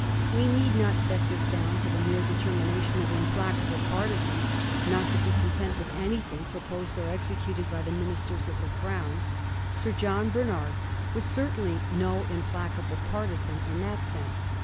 We need not set this down to the mere determination of implacable partisans not to be content with anything pro posed or executed by the Ministers of the Crown. Sir John Barnard was certainly no implacable partisan in that sense.